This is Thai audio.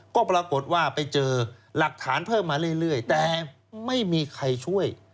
ก็ปรากฏว่าไปเจอหลักฐานเพิ่มมาเรื่อยแต่ไม่มีใครช่วย